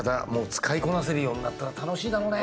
使いこなせるようになったら楽しいだろうね。